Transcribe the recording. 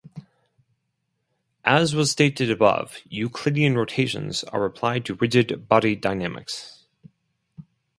As was stated above, Euclidean rotations are applied to rigid body dynamics.